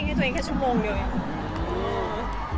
ให้ตัวเองแค่ชั่วโมงเดียวเอง